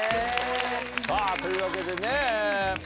さぁというわけでね剛